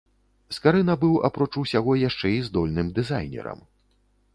Скарына быў, апроч усяго, яшчэ і здольным дызайнерам.